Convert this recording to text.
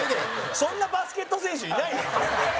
そんなバスケット選手いないよ。